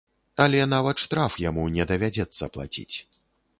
Але нават штраф яму не давядзецца плаціць.